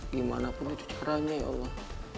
gimanapun itu caranya ya allah